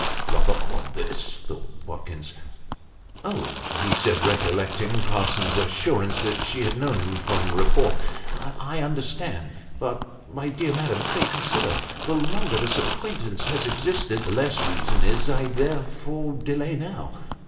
' Rather odd, this," thought Watkins. ' Oh !" he said, recollecting Parsons's assurance that she had known him from report, "I understand. But, my dear madam, pray, con sider. The longer this acquaintance has existed, the less reason is there for delay now.